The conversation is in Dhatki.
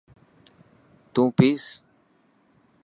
تون پيس.